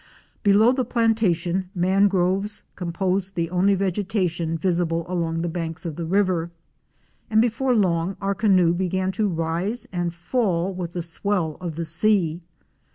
Below the plantation, mangroves composed the only vege tation visible along the banks of the river, and before long our canoe began to rise and fall with the swell of the sea.